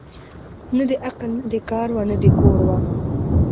نه د عقل نه د کار وه نه د کور وه